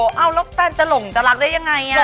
เอาแล้วแฟนจะหลงจะรักได้ยังไง